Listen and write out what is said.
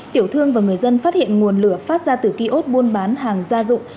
tiểu thương và người dân phát hiện nguồn lửa phát ra từ ký ốt buôn bán hàng gia dụng